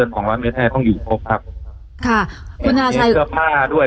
สองร้อยเมตรแห้ต้องอยู่ครบครับค่ะคุณอาใช้เสื้อผ้าด้วย